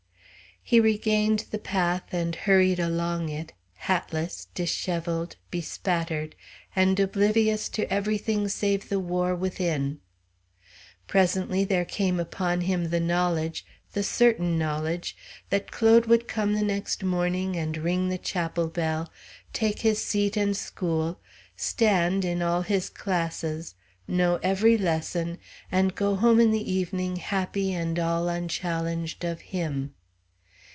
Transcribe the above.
He regained the path and hurried along it, hatless, dishevelled, bespattered, and oblivious to every thing save the war within. Presently there came upon him the knowledge, the certain knowledge, that Claude would come the next morning and ring the chapel bell, take his seat in school, stand in all his classes, know every lesson, and go home in the evening happy and all unchallenged of him.